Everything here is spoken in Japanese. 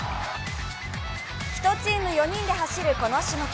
１チーム４人で走る、この種目。